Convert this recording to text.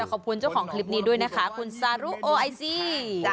ขอบคุณเจ้าของคลิปนี้ด้วยนะคะคุณซารุโอไอซี